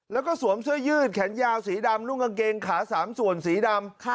แล้วก็สวมเสื้อยืดแขนยาวสีดำนุ่งกางเกงขา๓ส่วนสีดำ